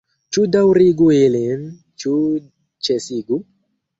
Ĉu daŭrigu ilin, ĉu ĉesigu?